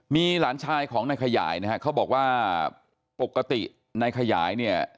มีหลานชายของนายขยายนะฮะเขาบอกว่าปกตินายขยายเนี่ย